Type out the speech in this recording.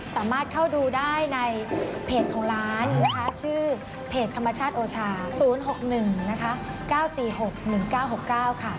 สามารถเข้าดูได้ในเพจของร้านนะคะชื่อเพจธรรมชาติโอชา๐๖๑นะคะ๙๔๖๑๙๖๙ค่ะ